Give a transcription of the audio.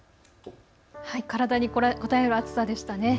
体にこたえる暑さでしたね。